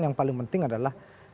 yang paling penting adalah